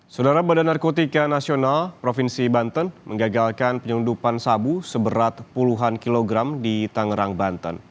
saudara badan narkotika nasional provinsi banten menggagalkan penyelundupan sabu seberat puluhan kilogram di tangerang banten